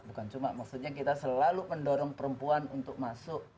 bukan cuma maksudnya kita selalu mendorong perempuan untuk masuk